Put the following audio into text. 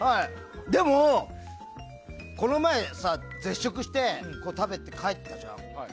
でもこの前、絶食して食べて帰ったじゃん。